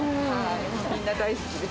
みんな大好きです。